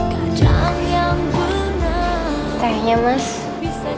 kerjaan yang benar bisa cari salam